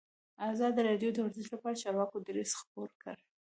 ازادي راډیو د ورزش لپاره د چارواکو دریځ خپور کړی.